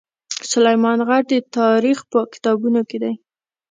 سلیمان غر د تاریخ په کتابونو کې دی.